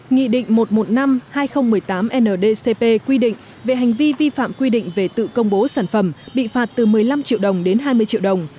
nghị định một trăm một mươi năm hai nghìn một mươi tám ndcp quy định về hành vi vi phạm quy định về tự công bố sản phẩm bị phạt từ một mươi năm triệu đồng đến hai mươi triệu đồng